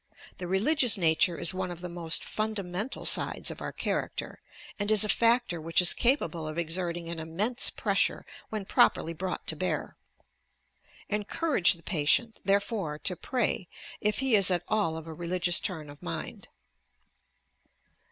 The religious nature is one of the most fundamental sides of our character, and is a factor which is capable of exerting an immense pressure YOUR PSYCHIC POWERS when properly brought to bear. Encourage the patient, therefore, to pray, if he is at all of a religious turn of mind.